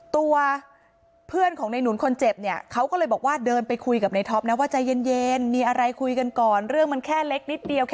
ตัวเพื่อนของนายหนุนคนเจ็บเนี่ย